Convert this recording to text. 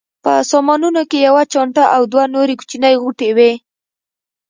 په سامانونو کې یوه چانټه او دوه نورې کوچنۍ غوټې وې.